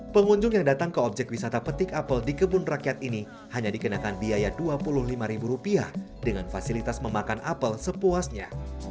pengunjung yang datang ke objek wisata petik apel di kebun rakyat ini hanya dikenakan biaya rp dua puluh lima dengan fasilitas memakan apel sepuasnya